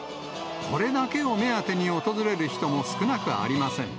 これだけを目当てに訪れる人も少なくありません。